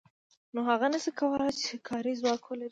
نو هغه نشي کولای چې کاري ځواک ولري